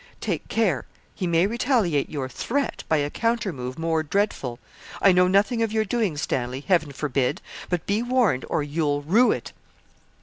Take care; he may retaliate your threat by a counter move more dreadful. I know nothing of your doings, Stanley Heaven forbid! but be warned, or you'll rue it.'